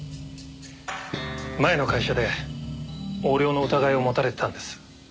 前の会社で横領の疑いを持たれてたんです。